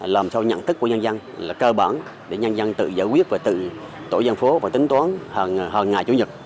làm sao nhận thức của nhân dân là cơ bản để nhân dân tự giải quyết và tự tổ dân phố và tính toán hằng ngày chủ nhật